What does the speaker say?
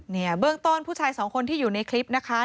เนี่ยเบื้องต้นผู้ชายสองคนที่อยู่ในคลิปนะคะ